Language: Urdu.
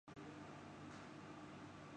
لیکن ضیاء دور کی ایک بات اچھی تھی۔